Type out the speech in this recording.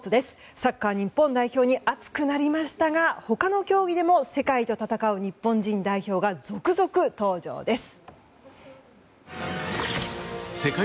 サッカー日本代表に熱くなりましたが他の競技でも世界と戦う日本人代表が続々登場です。